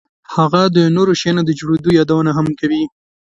هغه د نورو شیانو د جوړېدو یادونه هم کوي